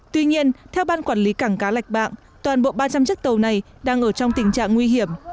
tuy nhiên theo ban quản lý cảng cá lạch bạng toàn bộ ba trăm linh chiếc tàu này đang ở trong tình trạng nguy hiểm